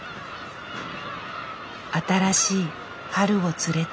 新しい春を連れて。